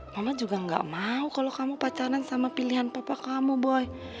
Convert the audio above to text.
mama juga gak mau kalau kamu pacaran sama pilihan papa kamu boy